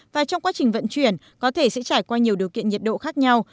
và trong quá trình vận chuyển có thể sẽ trải qua nhiều điều kiện nhiệt độ khác nhau